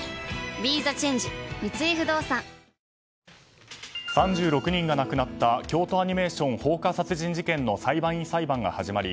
ＢＥＴＨＥＣＨＡＮＧＥ三井不動産３６人が亡くなった京都アニメーション放火殺人事件の裁判員裁判が始まり